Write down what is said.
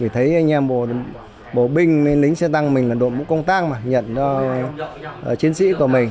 thế anh em bộ binh xe tăng mình là đội mũ công tăng mà nhận cho chiến sĩ của mình